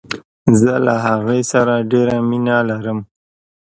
زه له هغې سره ډیره مینه لرم.